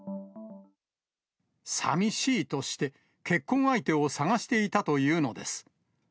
さみしいとして、結婚相手を探していたというのです。